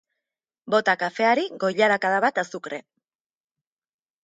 Bota kafeari koilarakada bat azukre.